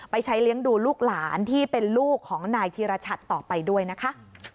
ใช้เลี้ยงดูลูกหลานที่เป็นลูกของนายธีรชัดต่อไปด้วยนะคะ